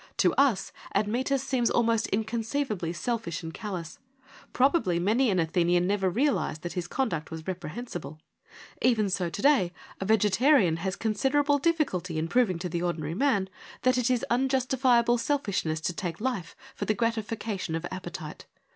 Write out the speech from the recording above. To us Admetus seems almost inconceivably selfish and callous : probably many an Athenian never realised that his conduct was reprehensible. Even so to day a vegetarian has considerable difficulty in proving to the ordinary man that it is unjustifiable selfishness to take life for the grati fication of appetite.